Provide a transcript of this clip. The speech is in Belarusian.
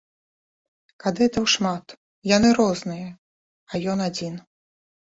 Кадэтаў шмат, яны розныя, а ён адзін.